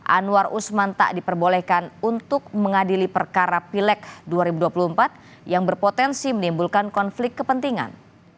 anwar usman tak diperbolehkan untuk mengadili perkara pileg dua ribu dua puluh empat yang berpotensi menimbulkan konflik kepentingan